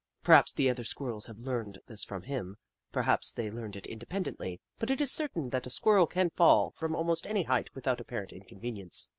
Perhaps the other Squirrels have learned this from him ; perhaps they learned it independently, but it is certain that a Squirrel can fall from almost any height without apparent inconvenience.